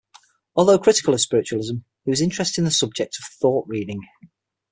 Although critical of spiritualism, he was interested in the subject of "thought reading".